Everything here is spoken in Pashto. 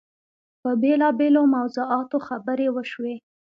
په بېلابېلو موضوعاتو خبرې وشوې.